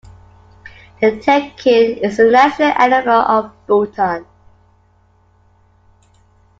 The takin is the national animal of Bhutan.